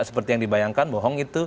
seperti yang dibayangkan bohong itu